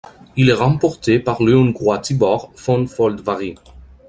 Il est remporté par le Hongrois Tibor von Földváry.